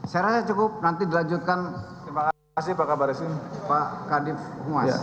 saya rasa cukup nanti dilanjutkan pak kadif huas